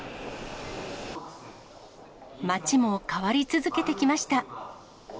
街も変わり続けてきました。